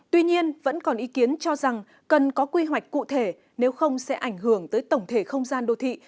tuy nhiên vẫn còn ý kiến cho rằng cần có quy hoạch cụ thể nếu không sẽ ảnh hưởng tới tổng thể không gian đô thị